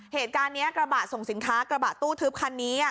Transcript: เหตุการณ์นี้กระบะส่งสินค้ากระบะตู้ทึบคันนี้